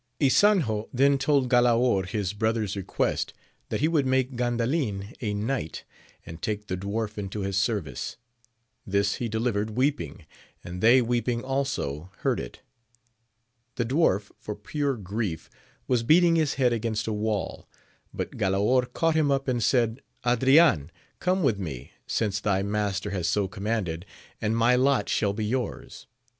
Ysanjo then told Galaor his brother's request that he would make Grandalin a knight, and take the dwarf into his service : this he delivered weeping, and they weeping also heard it. The dwarf for pure grief was beating his head against a wail ; but Galaor caught him up and said, Ardian come with me, since thy master has so commanded, and my lot shalll be yours.